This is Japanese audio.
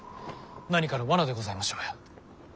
何かの罠でございましょうや。